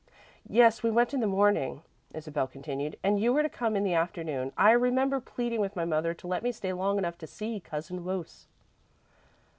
"Yes, we went in the morning," Isabel continued, "and you were to come in the afternoon. I remember pleading with my mother to let me stay long enough to see 'Cousin Wose.'"